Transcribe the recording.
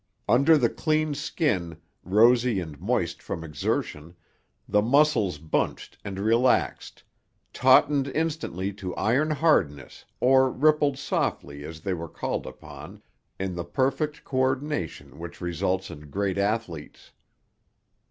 Under the clean skin, rosy and moist from exertion, the muscles bunched and relaxed, tautened instantly to iron hardness or rippled softly as they were called upon, in the perfect co ordination which results in great athletes.